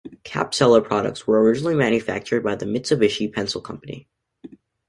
Capsela products were originally manufactured by the Mitsubishi Pencil Company.